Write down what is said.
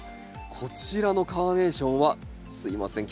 こちらのカーネーションはすいません